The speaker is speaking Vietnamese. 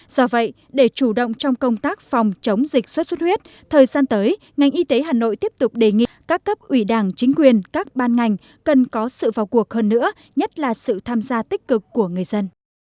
do vậy để chủ động trong công tác phòng chống dịch xuất xuất huyết thời gian tới ngành y tế hà nội tiếp tục đề nghị các cấp ủy đảng chính quyền các ban ngành cần có sự vào cuộc hơn nữa nhất là sự tham gia tích cực của người dân